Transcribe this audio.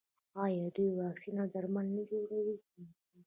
آیا دوی واکسین او درمل نه جوړوي؟